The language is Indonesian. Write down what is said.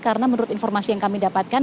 karena menurut informasi yang kami dapatkan